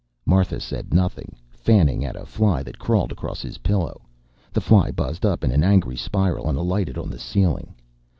Martha said nothing, fanned at a fly that crawled across his pillow. The fly buzzed up in an angry spiral and alighted on the ceiling.